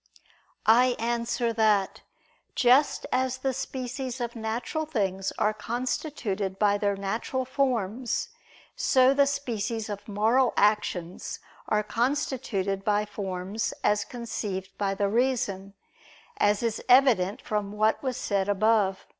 I answer that, Just as the species of natural things are constituted by their natural forms, so the species of moral actions are constituted by forms as conceived by the reason, as is evident from what was said above (A.